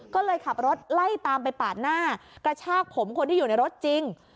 ก็เลยขับรถไล่ตามไปปาดหน้ากระชากผมคนที่อยู่ในรถจริง